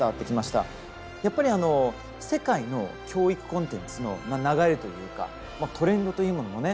やっぱり世界の教育コンテンツの流れというかトレンドというものもね